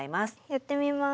やってみます。